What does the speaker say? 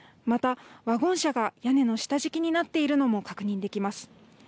また、ワゴン車が屋根の下敷きになっているのも確認できます。